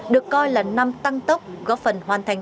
được coi là năm tăng tốc góp phần hoàn thành